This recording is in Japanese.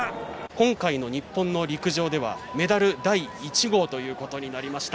今回の日本の陸上ではメダル第１号となりました